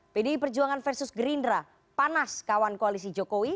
pdi perjuangan versus gerindra panas kawan koalisi jokowi